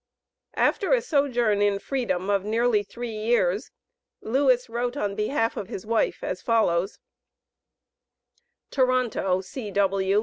After a sojourn in freedom of nearly three years, Lewis wrote on behalf of his wife as follows: TORONTO, C.W.